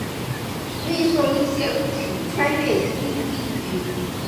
运送一些物体穿越一定地域。